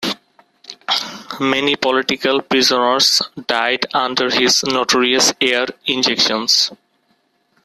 Many political prisoners died under his notorious air injections.